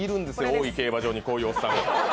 大井競馬場に、こういうおじさん。